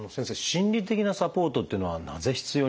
心理的なサポートっていうのはなぜ必要になるんでしょう？